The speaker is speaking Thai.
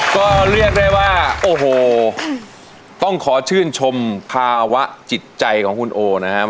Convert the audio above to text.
ก็เรียกได้ว่าโอ้โหต้องขอชื่นชมภาวะจิตใจของคุณโอนะครับ